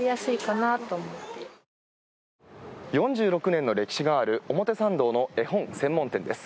４６年の歴史がある表参道の絵本専門店です。